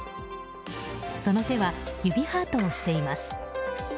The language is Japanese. その手は指ハートをしています。